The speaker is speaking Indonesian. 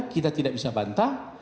kita tidak bisa bantah